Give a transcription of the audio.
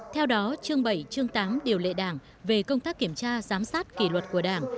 theo đó chương bảy chương tám điều lệ đảng về công tác kiểm tra giám sát kỷ luật của đảng